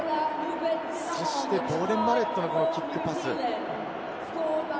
そしてボーデン・バレットのキックパス。